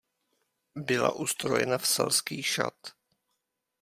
Byla ustrojena v selský šat.